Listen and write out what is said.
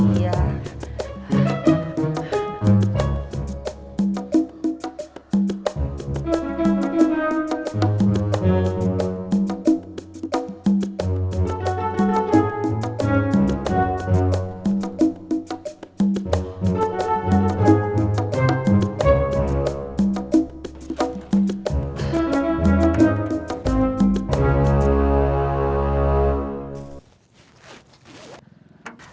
terima kasih